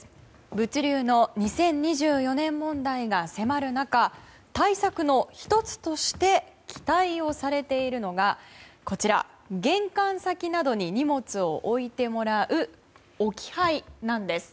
物流の２０２４年問題が迫る中対策の１つとして期待をされているのがこちら、玄関先などに荷物を置いてもらう置き配です。